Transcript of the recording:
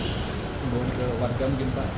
ke warga mungkin pak